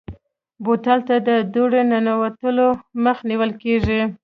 بوتل ته د دوړې ننوتو مخه نیول کېږي.